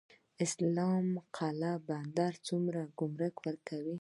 اسلام قلعه بندر څومره ګمرک ورکوي؟